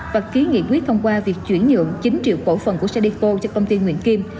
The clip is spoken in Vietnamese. và ký nghị quyết thông qua việc chuyển nhượng chín triệu cổ phần của cdco cho công ty nguyễn kim